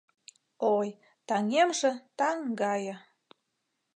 Ой, таҥемже таҥ гае